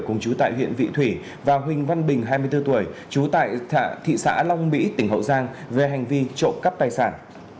cùng chú tại huyện vị thủy và huỳnh văn bình hai mươi bốn tuổi trú tại thị xã long mỹ tỉnh hậu giang về hành vi trộm cắp tài sản